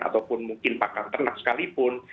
ataupun mungkin pakan ternak sekalipun